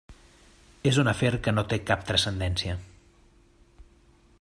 És un afer que no té cap transcendència.